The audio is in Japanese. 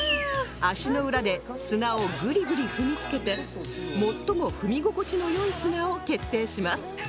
足の裏で砂をグリグリ踏みつけて最も踏み心地の良い砂を決定します